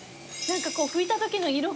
拭いたときの色が。